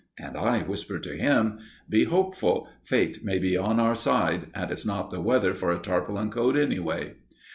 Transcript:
And I whispered to him: "Be hopeful. Fate may be on our side, and it's not the weather for a tarpaulin coat, anyway."